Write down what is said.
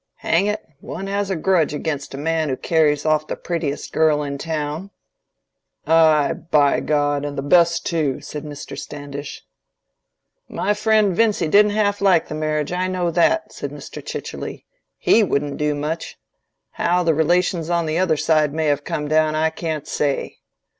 Hang it, one has a grudge against a man who carries off the prettiest girl in the town." "Ay, by God! and the best too," said Mr. Standish. "My friend Vincy didn't half like the marriage, I know that," said Mr. Chichely. "He wouldn't do much. How the relations on the other side may have come down I can't say."